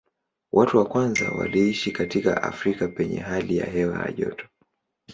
Watu wa kwanza waliishi katika Afrika penye hali ya hewa ya joto.